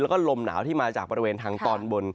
แล้วก็ลมหนาวที่มาจากบริเวณทางตอนบน